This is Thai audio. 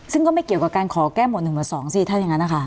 ซึ่งก็ไม่เกี่ยวกับการขอแก้หมวดหนึ่งหรือสองสิถ้ายังไงนะคะ